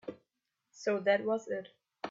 So that was it.